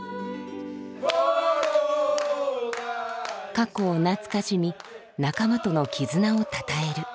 過去を懐かしみ仲間との絆をたたえる。